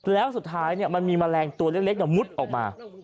แล้วสุดท้ายมันมีแมลงตัวเล็กมุดออกมา